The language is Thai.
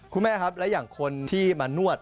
คุณแม่ครับและอย่างคนที่มานวด